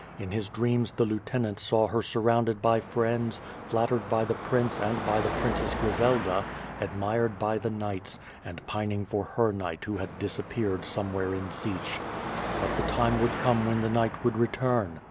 In his dreams the lieutenant saw her surrounded by friends, flattered ))y the prince and by the Princess (Jrizelda, admired by the knights — and pining for her knight who had diwipj)eared somewhere in Sich. But the time would come when the knight would return.